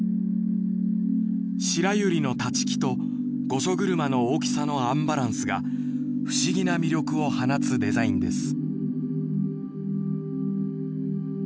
白百合の立ち木と御所車の大きさのアンバランスが不思議な魅力を放つデザインです」。